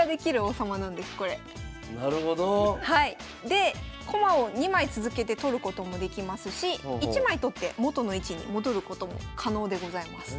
で駒を２枚続けて取ることもできますし１枚取って元の位置に戻ることも可能でございます。